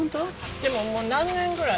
でももう何年ぐらい？